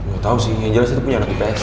gak tau sih yang jelas itu punya anak ips